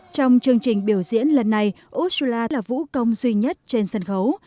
trong chương trình biểu diễn lần này australia ursula là vũ công duy nhất trên sân khấu